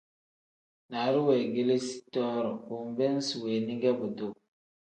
Naaru weegeleezi too-ro bo nbeem isi weeni ge buduu.